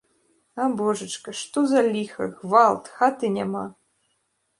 А божачка, што за ліха, гвалт, хаты няма!